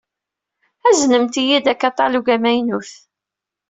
Aznemt-iyi-d akaṭalug amaynu.